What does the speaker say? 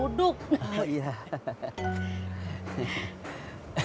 mumun tukang nasi uduk